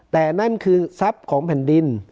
แต่นั่นคือทรัพย์ของแผ่นดิน